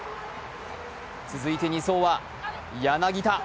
続いて２走は柳田。